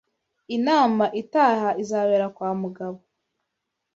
Inama itaha izabera kwa Mugabo.